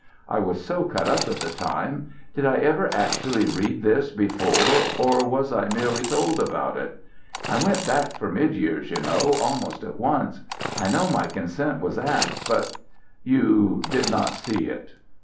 "I was so cut up at the time. Did I ever actually read this before or was I merely told about it? I went back for Midyear's, you know, almost at once. I know my consent was asked, but " "You did not see it."